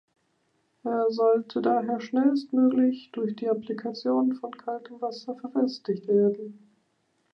Er sollte daher schnellstmöglich durch die Applikation von kaltem Wasser verfestigt werden.